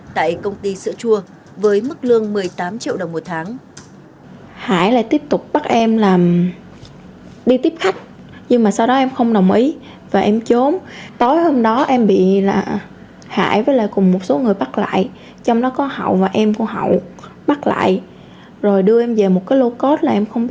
tại công ty sữa chua với mức lương một mươi tám triệu đồng một tháng